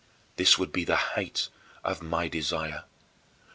This would be the height of my desire.